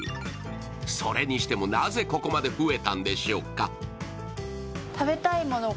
それにしても、なぜここまで増えたんでしょうか。